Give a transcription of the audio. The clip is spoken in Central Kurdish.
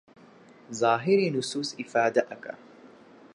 زاهیری نوسووس ئیفادە ئەکا